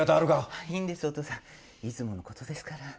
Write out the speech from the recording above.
いいんですお父さんいつものことですから。